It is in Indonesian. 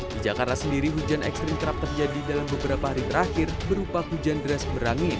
di jakarta sendiri hujan ekstrim terjadi dalam beberapa hari terakhir berupa kondisi ekstrim yang terjadi di beberapa daerah di jakarta